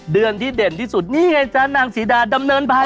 เดือนที่เด่นที่สุดนี่ไงจ๊ะนางศรีดาดำเนินภาย